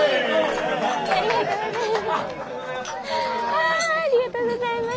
あありがとうございました。